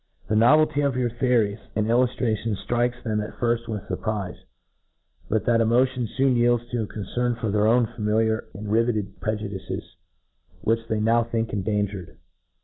The novelty of our theories and il luftrations ftrikes them at firft with' furprife } but that emotion foon yields to a concern foF their own familiar and rivetted prejudices, which they now think endangered.